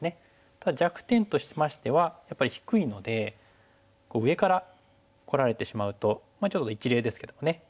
ただ弱点としましてはやっぱり低いので上からこられてしまうとちょっと一例ですけどもね。